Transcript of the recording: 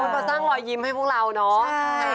มันสร้างหลอยยิ้มให้พวกเราน้อง